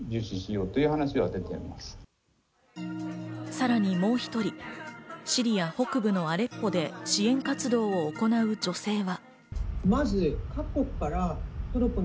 さらにもう１人、シリア北部のアレッポで支援活動を行う女性は。